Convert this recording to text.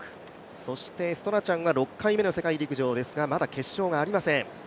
そしてストラチャンは６回目の世界陸上ですがまだ決勝がありません。